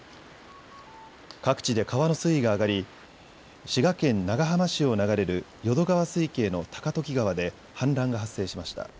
各地で川の水位が上がり、滋賀県長浜市を流れる淀川水系の高時川で氾濫が発生しました。